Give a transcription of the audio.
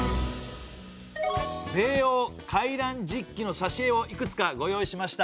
「米欧回覧実記」のさしえをいくつかご用意しました。